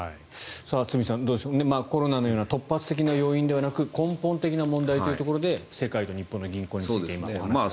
堤さん、どうでしょうコロナのような突発的な要因ではなくて根本的な問題というところで世界と日本の銀行について今、お話がありました。